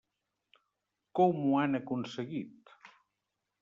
Com ho han aconseguit?